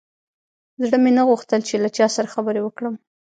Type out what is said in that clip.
زړه مې نه غوښتل چې له چا سره خبرې وکړم.